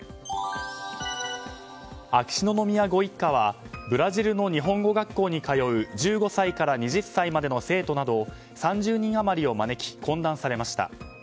秋篠宮ご一家はブラジルの日本語学校に通う１５歳から２０歳までの生徒など３０人余りを招き懇談されました。